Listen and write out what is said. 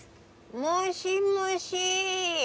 ☎もしもしぃ。